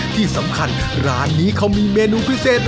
ที่สำคัญร้านนี้เขามีเมนูพิเศษ